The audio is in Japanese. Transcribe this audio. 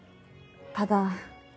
ただ。